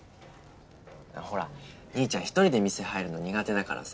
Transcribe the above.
ほら兄ちゃん１人で店入るの苦手だからさ